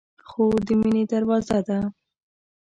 خور د مینې دروازه ده.